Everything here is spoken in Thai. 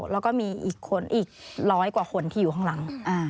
แล้วก็มีอีกคนอีกร้อยกว่าคนที่อยู่ข้างหลัง